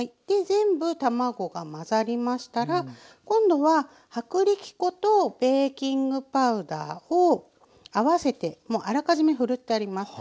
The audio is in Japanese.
全部卵が混ざりましたら今度は薄力粉とベーキングパウダーを合わせてもうあらかじめふるってあります。